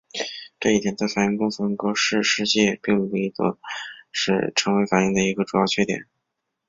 这一点在反应中所用格氏试剂并不易得时成为反应的一个主要缺点。